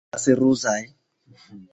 Nu, ĉar ni estas ruzaj.